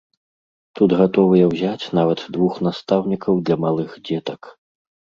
Тут гатовыя ўзяць нават двух настаўнікаў для малых дзетак.